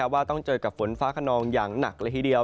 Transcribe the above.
ว่าต้องเจอกับฝนฟ้าขนองอย่างหนักเลยทีเดียว